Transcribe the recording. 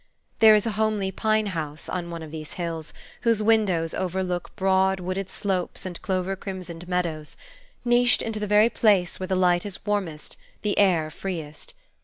There is a homely pine house, on one of these hills, whose windows overlook broad, wooded slopes and clover crimsoned meadows, niched into the very place where the light is warmest, the air freest.